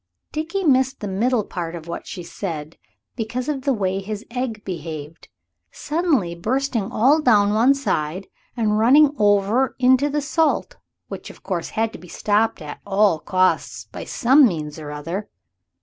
Dickie missed the middle part of what she said because of the way his egg behaved, suddenly bursting all down one side and running over into the salt, which, of course, had to be stopped at all costs by some means or other.